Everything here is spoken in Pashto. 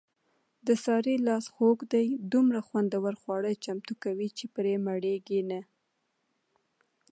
د سارې لاس خوږ دی دومره خوندور خواړه چمتو کوي، چې پرې مړېږي نه.